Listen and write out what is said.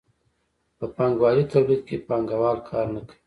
په پانګوالي تولید کې پانګوال کار نه کوي.